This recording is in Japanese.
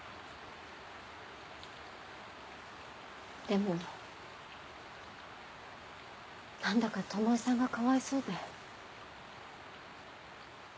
でも何だか巴さんがかわいそうで。